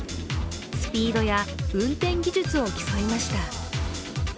スピードや運転技術を競いました。